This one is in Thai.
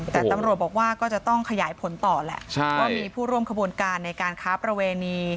แต่ตำรวจบอกว่าก็จะต้องขยายผลต่อแหละว่ามีผู้ร่วมขบวนการในการค้าประเวณี